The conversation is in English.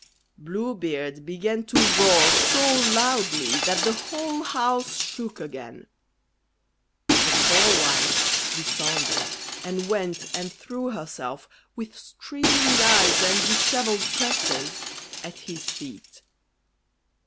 Blue Beard began to roar so loudly that the whole house shook again. The poor wife descended, and went and threw herself, with streaming eyes and dishevelled tresses, at his feet.